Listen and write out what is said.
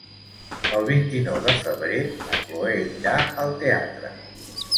El vint-i-nou de febrer na Cloè irà al teatre.